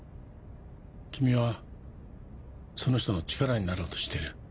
「君はその人の力になろうとしてる」。